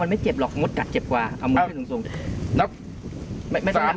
มันไม่เจ็บหรอกมดกัดเจ็บกว่าเอาหมดให้ส่งส่งนับไม่ไม่สาม